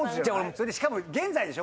それでしかも現在でしょ？